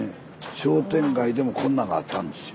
商店街でもこんなんがあったんですよ。